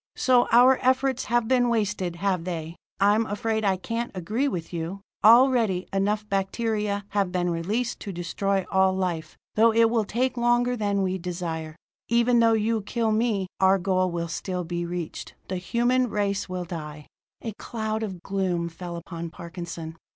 "So our efforts have been wasted, have they? I'm afraid I can't agree with you. Already, enough bacteria have been released to destroy all life, though it will take longer than we desire. Even though you kill me, our goal will still be reached. The human race will die!" A cloud of gloom fell upon Parkinson.